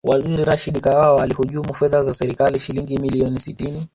waziri rashid kawawa alihujumu fedha za serikali shilingi milioni sitini